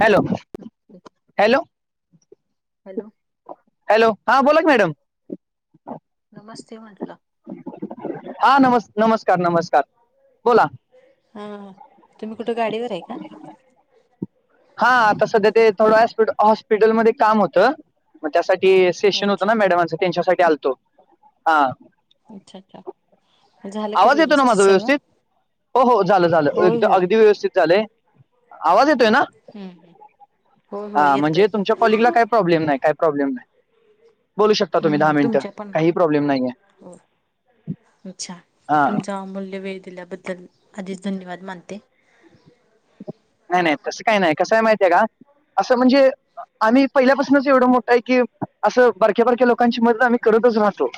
Hello! Hello hello! Hello, हा बोला की मॅडम. [inaudible] नमस्ते म्हंटलं. हा नमस् नमस्कार नमस्कार, बोला. हा, तुम्ही कुठं गाडीवर हाय का? हा, आता सध्या ते थोडं हॉस्पिटलमध्ये काम होतं, मग त्यासाठी सेशन होतं अच्छा ना मॅडमांचं, त्यांच्यासाठी आलतो, हां. अच्छा अच्छा. झालं का आवाज येतो ना माझा सगळं? व्यवस्थित, हो हो झालं झालं, होय होय अगदी व्यवस्थित झालय. आवाज येतोय ना? हम्म हम्म, हो हो हा येतोय. म्हणजे तुमच्या कॉलिगला काही प्रॉब्लेम नाय, काय प्रॉब्लेम नाय, हो बोलू शकता तुम्ही दहा हम्म मिनिटं, तुमच्या पण काही नाही प्रॉब्लेम नाहीये. हो अच्छा,, हा तुमचा अमूल्य वेळ दिल्याबद्दल आधीच धन्यवाद मानते. नाय नाय तसं काय नाय, कसं हाय माहित हाय का, असं म्हणजे आम्ही पहिल्यापासनचं एवढं मोठं हाय की, बारक्या बारक्या लोकांची मदत आम्ही करतच राहतो. [inaudible]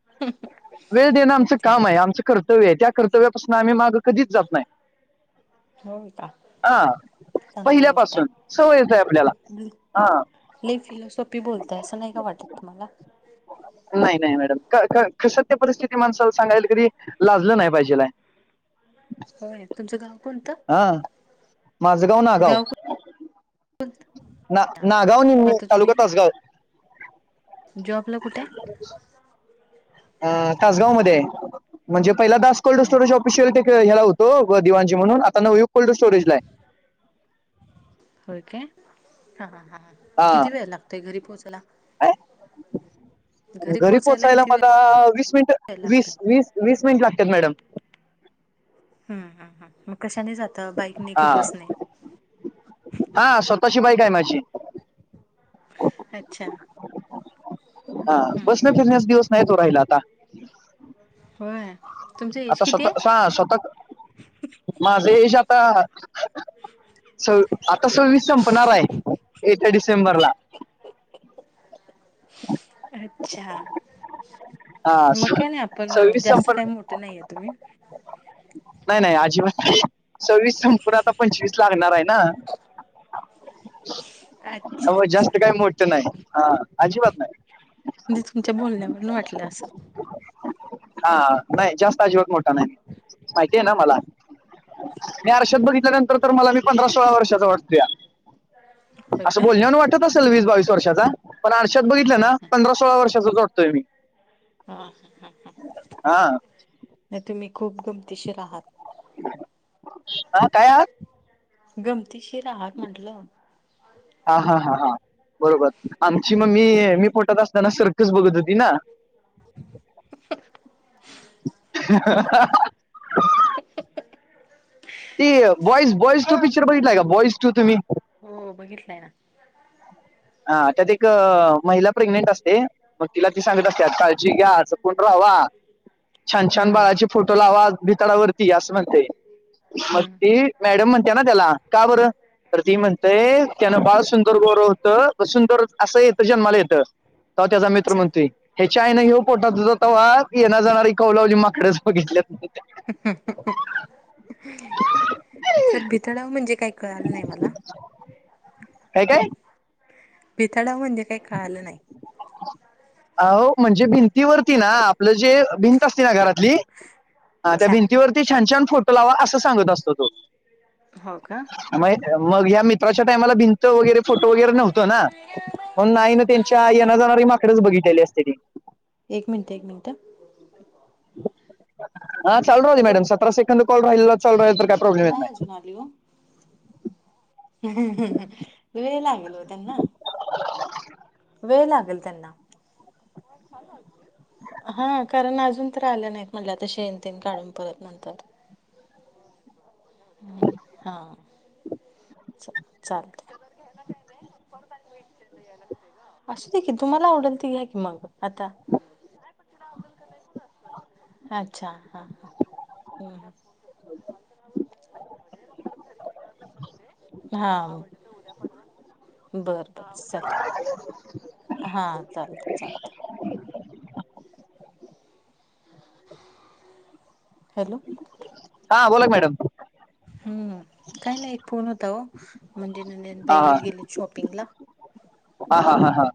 ह [unintelligible] वेळ देणं आमचं काम आहे, आमचं कर्तव्य आहे, त्या कर्तव्यापासनं आम्ही कधीच मागं जात नाही. होय का. हां, चांगली गोष्ट आहे. पहिल्यापासून, सवयच हाय आपल्याला,, हां. ही फिलॉसॉफी बोलताय असं नाय का वाटत तुम्हाला? नाय नाय मॅडम, कसं सत्य परिस्थिती सांगायला माणसानं लाजलं नाही पाहिजेल हाय. होय तुमचं गाव कोणतं? हां, माझं गाव नागाव. ना नागाव नि मग मी आता तालुका तुम्ही तासगाव. जॉबला कुठाय? अ तासगाव मध्ये हाय, म्हणजे पहिला दास कोल्ड आहे? स्टोरेज ऑफिशयल ह्याला होत तो दिवाांजी म्हणून, आता नवू कोल्ड स्टोरेजला आय. होय काय,, हा हा हा, हा किती वेळ लागतोय घरी पोहोचायला? काय, घरी पोहोचायला मला वीस वेळ मिनिटं लागतोय? वीस वीस वीस मिनिटं लागत्यात मॅडम. हम्म हम्म हम्म, मग कशाने जाता, बाईकने कि हा बसने? तशी बाईक हाय माझी. अच्छा. हां, बसणं फिरण्याचं दिवस नाहित ओ राहिलं आता. होय. तुमचं एज आता किती आहे? स्वतः हां स्वत माझ ऐज आता. सव् आता सव्वीस संपणार आहे येत्या डिसेंबरला. अच्छा. हा मग काय नाही आपण सव्वीस जास्त संपन काही मोठं नाहीये तुम्ही. नाही नाही अजिबात सव्वीस संपूण आता पंचवीस लागणार आहे ना. अच्छा अव अच्छा. जास्त काही म्हणजे मोठ नाही हा अजिबात नाही. म्हणजे तुमच्या बोलण्यावरून वाटलं असं. हा नाही जास्त अजिबात मोठा नाही.. माहिती आहे ना मला. मी आरश्यात बघितल्यानंतर तर मला मी पंधरा सोळा वर्षाचा वाटतोय. होय काय. बोलण्या वरून वाटत असेल वीस बावीस वर्षाचा पण आरशात बघितलं हा ना हा पंधरा सोळा वर्षाचाच वाटतोय मी. ह हा नाही तुम्ही खूप गमतीशीर आहात. हा काय आ गमतीशीर आहात म्हटलं. हा हा हा हा बरोबर आमची मम्मी मी पोटत असताना सर्कस बघत होति. तीना. ते बॉस बॉइस टू पिक्चर बघितलंय का बॉईस टू तुम्ही. हो बघितलाय ना. हा त्यात एक महिला प्रेग्नेंट असते. मग तीला ति सांगत असत्या काळजी घ्या जपून राहावा. छान छान हम्म बाळाचे फोटो लावा भितडावरती असं म्हणते मग हम्म. ती. मॅडम म्हणते ना त्याला का बरं तर ती म्हणतेय त्यान बाळ सु सुंदर गोर होत असं येत जन्माला येत जन्माला येत तव्हा त्याचा मित्र अच्छा. म्हणतोय ह्याच्या आईनं ह्यो पोटात होता तवा येणारी जानारी कौलावली माकडच बघितल्यात. सर भितडाव म्हणजे काही कळाल नाही मला. काय काय. भितडावर म्हणजे काही कळालं नाय. अहो म्हणजे भिंत ती वरती ना आपलं जे भिंत असत ना घरातली हा त्या अच्छा. भिंतीवरती. छान छान फोटो लावा असं सांगत असतो तो. हो का. म मग ह्या मित्राच्या टायमाला भिंत वगैरे. फोटो वगैरे नव्हतो ना मग आईनं त्यांच्या येनारी जाणारी माकडच बघितलेली असतेती. एक मिन्ट एक मिन्ट हा चालु राहुद्या हॅलो मॅडम सतरा सेकंद कॉल चालू राहिलातर काय प्रॉब्लम येत नाही. हॅलो वेळ लागेल हॊ त्यांना. हं. वेळ लागल त्यांना हा कारण अजून. तर आलं नाही म्हटलं शेण तेन काढून परत नंतर हम् हा. चल चालतंय काय नाही. असं दे की तुम्हाला आवडलते घ्या की मग आता. अच्छा हा हा हम् हम. हा. बर चालतय हा चालतय. हॅलो. हा बोला [unintelligible] मॅडम. हम्म काही नाही एक फोन होता हो म्हणजे नंदन हा ताई हा गेलेत शॉपिंगला. हा हा हा हा.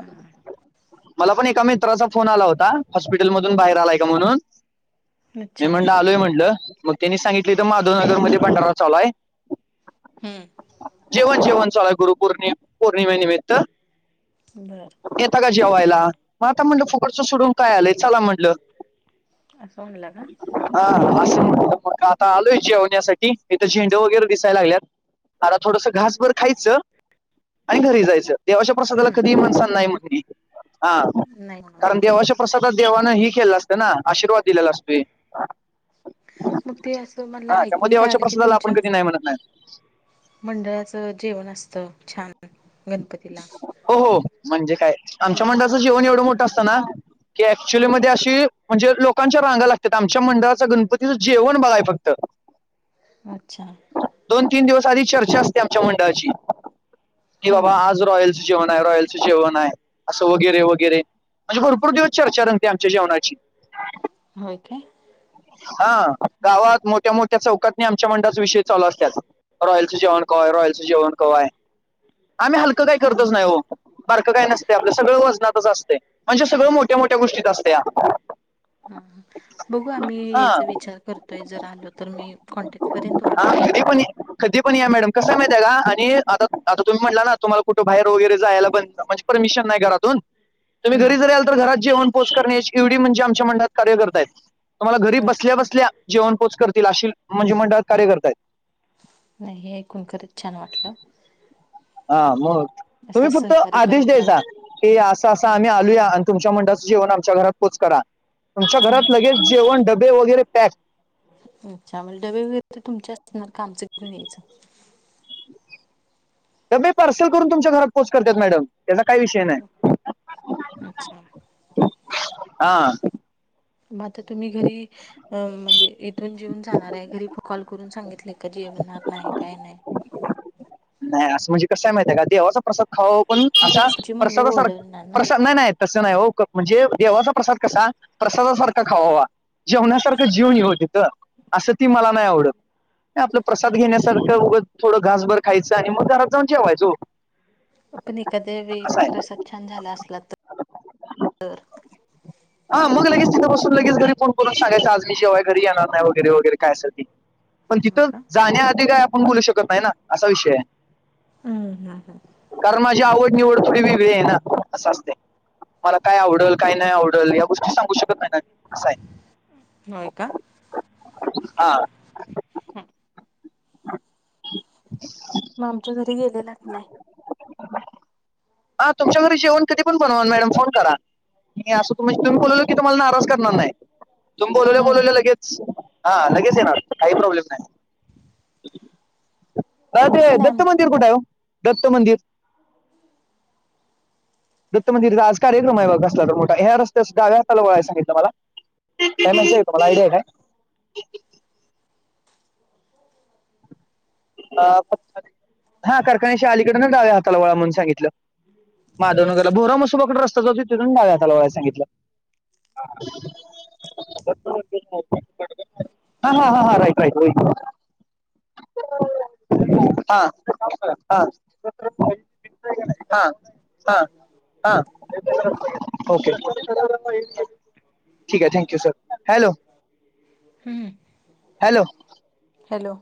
हा. मला पण एका मित्राचा फोन आला होता हॉस्पिटल मधून बाहेर आलाय का म्हणून. मी अच्छा म्हटलं आलोय म्हणलं मग त्यांनी सांगितली तर माधवनगर मध्ये भंडारा चाललाय. हम्म जेवण जेवण चालू आहे गुरुपौर्णिम. [unintelligible] बर. येताय का जेवायला मग आता म्हणलं फुकटचं सोडून काय आलेय चला म्हण हॅलो. असं म्हणला का हा असं म्हटलं मग आता आलोय जेवण्यासाठी इथं झेंडे वगैरे दिसायला लागल्यात. [unintelligible] थोडंसं घासभर खायचं आणि घरी जायचं. देवांच्या प्रसादाला हम्म कधीही माणसांना नाही म्हणली हा नाही म्हण कारण हो देवाच्या प्रसादा देवांना ही खेळलं असतं ना आशीर्वाद दिलेला असतय. मग ते असं मला त्यामुळे ऐकून काय देवाच्या आलं की प्रसादाला आपण तुमच्या कधी नाही म्हणत नाही मंडळाच्या जेवण असतं छान गणपतीला. हो हो म्हणजे काय असं आमच्या मंडळाचा मला जेवण एवढं मोठं असतं ना की ऍक्च्युली मध्ये अशी म्हणजे लोकांच्या माग लागतात आमच्या मंडळाचा गणपतीचं जेवण बघा फक्तं. अच्छा. दोन तीन दिवस आधीच चर्चा असते आमच्या मंडळांची की बाबा हम्म आज हम्म रॉयल जेवण आहे रॉयल चे जेवण आहे असं वगैरे वगैरे. म्हणजे भरपूर दिवस चर्चा रंगतेय आमच्या जेवणाची. होय काय. हा गावात हम्म मोठ्या मोठ्या चौकातनी आमच्या मंडळाच्या विषय चालू असल्या रॉयल्स जेवण [unintelligible] रॉयल्स जेवण [unintelligible] आम्ही हलकं काही बारक काय नसते आपल्या सगळं वजनातच असते. म्हणजे सगळं मोठ्या मोठ्या गोष्टींत असत्या. हां हां बघू आम्ही यायच्या विचार करतोय जर आलो तर मी कॉन्टॅक्ट करेन तुम्हाला. [unintelligible] कधी पण या मॅडम कसं माहिती आहे का आणि आता आता तुम्ही म्हंटला ना तुम्हाला. कुठं बाहेर वगैरे जायला पण म्हणजे परमिशन नाही घरातून तुम्ही घरी जरी हम्म आलं तर घरात जेऊन. [unintelligible] करण्याची एवढी म्हणजे आमच्या मंडळांत कार्यकर्त्यां आहे तुम्हाला घरी बसल्या अच्छा बसल्या जेवण पोच करतील आशिल म्हणजे मंडळांत कार्यकर्त्यां नाही हे [unintelligible] छान वाटलं.. हा मग तुम्ही असं फक्त सहकार्य आदेश करत द्यायच्या.. राहा. हे असं असं आम्ही आलोया आणि तुमच्या मंळाचं जेवण आमच्या घरात पोच करा.. तुमच्या हम्म घरात लगेच जेवण डबे वगैरे पॅक. अच्छा म डबे वगैरे तर तुमच्या [unintelligible] कामचं घेऊन यायचं.. डबे पार्सल करून, तुमच्या घरात पोच करत्यात मॅडम. त्याचा काही विषय नाही अच्छा हा. म आता तुम्ही घरी अं म्हणजे इथून जेवुन जाणार आहे घरीपण कॉल करून सांगितलय का जेवणार नाही काय नाही. नाही, असं म्हणजे कसंय माहितय का, देवाचा प्रसाद खावावा पण, नाही असा कसं तुझी मम्मी प्रसादासारखा, ओरडणार ना प्रसाद, नाही नाही. तसं नाही हो, म्हणजे देवाचा प्रसाद कसा, प्रसादासारखा खावावा. जेवण्यासारखं जेवूनी ओ तिथं, असं ती मला नाही आवडत. ते आपलं प्रसाद असं आहे ते. घेण्यासारखं उगं थोडं घासभर खायचं आणि मग घरात जाऊन जेवायचं ओ. आपण एखाद्या वेळी प्रसाद छान झाला असला तर [inaudible] हा मग लगेच तिथं बसून लगेच घरी फोन करून सांगायचं आज मी जेवाय घरी येणार नाय वगैरे वगैरे काय असेल ते. पण हो तिथं का? जाण्याआधी आपण काय बोलू शकत नाही ना असा विषय आहे. हम्म हम हम. कारण माझी आवड निवड थोडी वेगळी आहे ना असं असते. मला काय आवडल काय नाही आवडल या गोष्टी सांगू शकत नाही ना मी असं आहे. होय का. हा. [unintelligible] मग आमच्या घरी गेलेलाच नाही. हा तुमच्याकडे जेवण कधी पण बनवा मॅडम फोन करा. मी असं तुम तुम्ही बोलवल क तुम्हाला नाराज करणार नाही. तुम बोलवले हम्म बोलवले लगेच हा लगेच येणार काही प्रॉब्लेम नाही. अ ते तसं नाही आम दत्त मंदिर कुठे आहे दत्त मंदिर. [inaudible] [unintelligible] दत्त मंदिरचा आज कार्यक्रम आहे बघा कसला मोठा ह्या रस्त्याला वळाय सांगितलं मला काय माहितीये तुम्हाला काय आयडिया आहे काय? हा कारखान्याशी अलीकडे डाव्या हाताला वळा म्हणून सांगितलं. माधवनगरला भोरा मसोबाकड रस्ता जातोय तिथून डाव्या हाताला वळायला सांगितलं होत. हा हा हा हा राईट राईट हो. हा ह हा. हा हा ओके. ठीक आहे thank you sir hello. Hmm. Hello hello.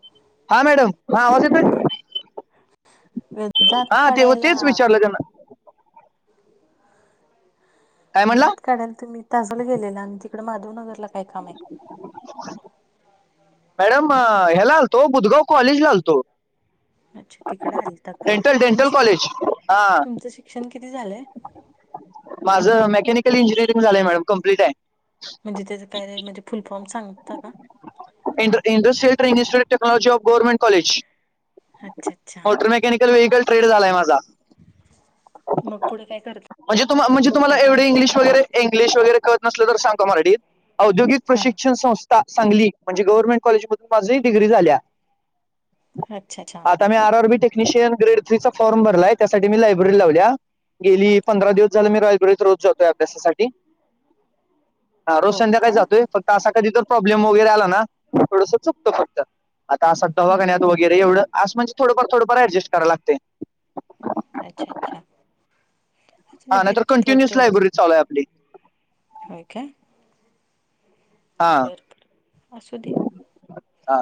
हा मॅडम आवाज येतोय? दात हा ते काढायला तेच विचारलं त्यांना काय म्हणला दात काढायला तुम्ही ताजला गेलेला आणि तिकड माधवनगरला काय काम आहे? [unintelligible] मॅडम ह्याला आलतो बुदगाव कॉलेज ला आलतो अच्छा तिकडे आलता का डेंटल डेंटल कॉलेज हा. शिक्शण किती झालय? माझं मेकॅनिकल इंजिनिअरिंग झालंय मॅडम कम्प्लीट आहे. म्हणजे त्याचं काय र म्हणजे फुल फॉर्म सांगता का? Industrial training institute technology of government college अच्छा अच्छा मोट्रोमेकॅिक [unintelligible] [unintelligible] झालाय माझा. मग पुढे काय करताय म्हणजे तुम्हाला म्हणजे तुम्हाला का एवढं नाही इंग्लिश वगैरे इ्लिश वगैरे कळत नसल तर सांगतो मराठीत औद्योगिक हां प्रशिक्ष संस्था सांगली म्हणजे गव्हर्मेट कॉलेज मधून माझही डिग्री झाल्या. अच्छा अच्छा. ी R R B technician grade three चा फॉर्म भरलाय त्यासाठी मी लायब्ररी लावल्या. गेली पंधरा दिवस झाले मी लायब्ररी रोज जातोय अभ्यासासाठी. हा रोज हो संध्याकाळी का जातोय हम्म, फक्त असा कधीतरी जर प्रॉब्लेम वगैरे आला ना थोडसं चुकत फक्त आता असं हम्म. दवाखान्यात वगैरे एवढं असं म्हणजे थोडं फार थोडफार अड्जस्ट करावं लागतं. अच्छा अच्छा. [unintelligible] हा नाहीतर कंटिन्युअस [unintelligible] लायब्ररी चालू आहे आपली हाय काय? हा बर बर असू दे हा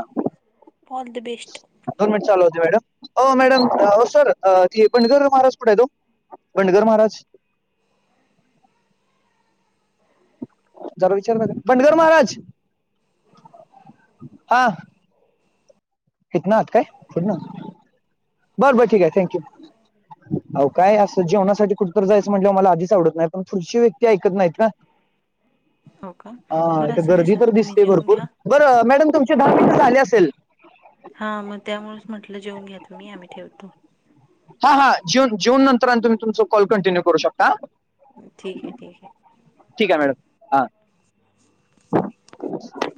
ऑल द बेस्ट. दोन मिनिट चालू राहूद्या मॅडम हो मॅडम ओ सर ती बनगर महाराज कुठे आहेत ओ? बनगर महाराज. जरा विचारता का बंडगर महाराज हा. इथनं आत काय पण बरं बर ठीक आहे थँंकू. अहॊ काय असं जेवणासाठी कुठ तर जायचं म्हटल्यावर मला आधीच आवडत नाही पण पुढची व्यक्ती ऐकत नाहीत ना. हो का बरं इथं असुदे गर्दी सर तर तुम्ही दिसते जेऊन भरपूर घ्या. बरं मॅडम तुमचे दहा मिनट झाले असेल. हा मग त्यामुळच म्हटलं जेउन घ्या तूमी आम्ही ठेवतो. हा हा जेऊन नंतर आणि तुम्ही तुमच कॉल कंटिन्यू करू शकता. ठीक आहे ठी ठीक आहे मॅडम हा,